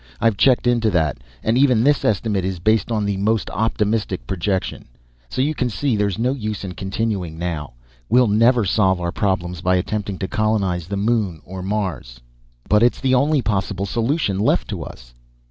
"I've checked into that, and even this estimate is based on the most optimistic projection. So you can see there's no use in continuing now. We'll never solve our problems by attempting to colonize the moon or Mars." "But it's the only possible solution left to us."